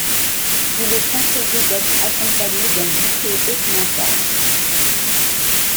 Il est conseillé d'être accompagné d'un guide de haute montagne.